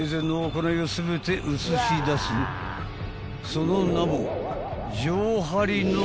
［その名も］